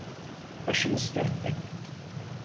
Başımız dertte.